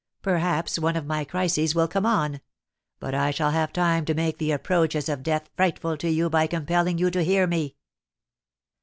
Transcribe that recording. Perhaps one of my crises will come on; but I shall have time to make the approaches of death frightful to you by compelling you to hear me."